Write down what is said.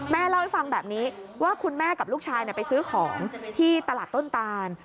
เล่าให้ฟังแบบนี้ว่าคุณแม่กับลูกชายไปซื้อของที่ตลาดต้นตาน